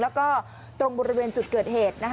แล้วก็ตรงบริเวณจุดเกิดเหตุ